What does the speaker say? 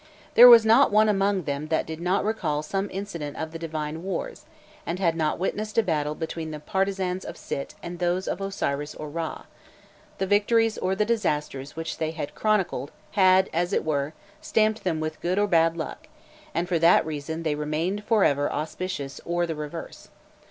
There was not one among them that did not recall some incident of the divine wars, and had not witnessed a battle between the partisans of Sit and those of Osiris or Râ; the victories or the disasters which they had chronicled had as it were stamped them with good or bad luck, and for that reason they remained for ever auspicious or the reverse.